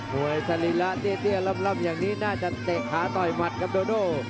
สรีระเตี้ยล่ำอย่างนี้น่าจะเตะขาต่อยหมัดครับโดโด